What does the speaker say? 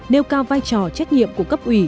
nêu cao vai trò trách nhiệm của cấp ủy